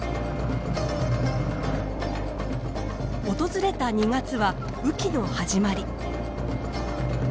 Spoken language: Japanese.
訪れた２月は雨季の始まり。